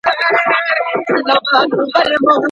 د انسان اړیکه د ماشین په پرتله ګرمه وي.